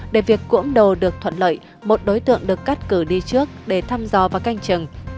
để việc cưỡng đồ được thuận lợi một đối tượng được cắt cử đi trước để thăm dò và canh chừng